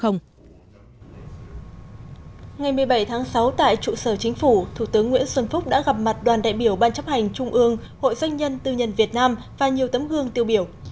ngày một mươi bảy tháng sáu tại trụ sở chính phủ thủ tướng nguyễn xuân phúc đã gặp mặt đoàn đại biểu ban chấp hành trung ương hội doanh nhân tư nhân việt nam và nhiều tấm gương tiêu biểu